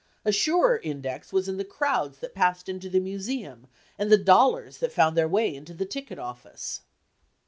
A surer index was in the crowds that passed into the Museum, and the dollars that found their way into the ticket office.